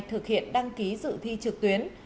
thực hiện đăng ký dự thi trực tuyến